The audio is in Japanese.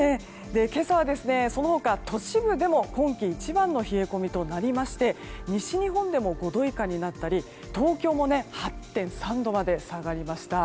今朝はその他都市部でも今季一番の冷え込みとなりまして西日本でも５度以下になったり東京も８．３度まで下がりました。